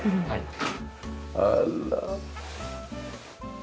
はい。